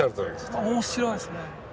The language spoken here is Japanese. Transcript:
面白いですね。